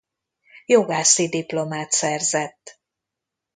Jogászi diplomát szerzett.